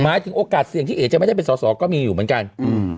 ถึงโอกาสเสี่ยงที่เอ๋จะไม่ได้เป็นสอสอก็มีอยู่เหมือนกันอืม